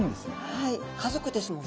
はい家族ですもんね。